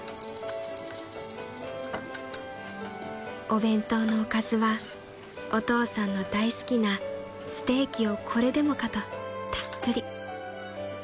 ［お弁当のおかずはお父さんの大好きなステーキをこれでもかとたっぷり］